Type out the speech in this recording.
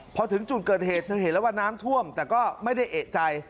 พอถึงจุดเกิดเหตุเธอเห็นแล้วว่าน้ำท่วมแต่ก็ไม่ได้เอกใจ